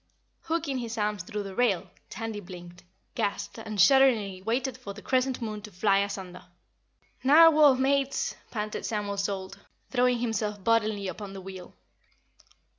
Hooking his arms through the rail, Tandy blinked, gasped and shudderingly waited for the Crescent Moon to fly asunder. "Narwhal, Mates!" panted Samuel Salt, throwing himself bodily upon the wheel.